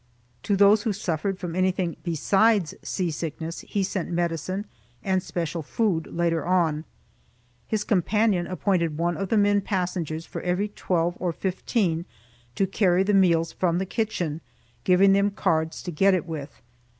To those who suffered from anything besides seasickness he sent medicine and special food later on. His companion appointed one of the men passengers for every twelve or fifteen to carry the meals from the kitchen, giving them cards to get it with.